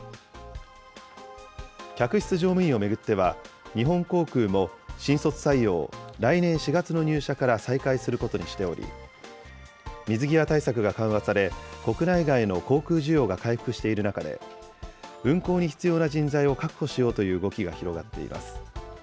客室乗務員を巡っては、日本航空も新卒採用を来年４月の入社から再開することにしており、水際対策が緩和され、国内外の航空需要が回復している中で、運航に必要な人材を確保しようという動きが広がっています。